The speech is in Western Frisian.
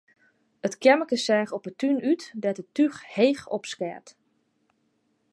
It keammerke seach op 'e tún út, dêr't it túch heech opskeat.